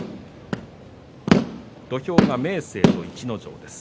土俵が明生と逸ノ城です。